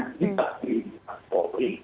di takdir di kompol